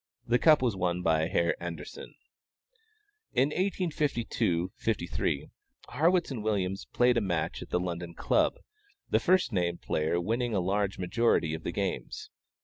The cup was won by Herr Anderssen. In 1852, '53, Harrwitz and Williams played a match at the London Club, the first named player winning a large majority of the games.